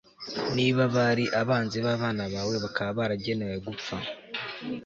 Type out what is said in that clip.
niba abari abanzi b'abana bawe, bakaba baragenewe gupfa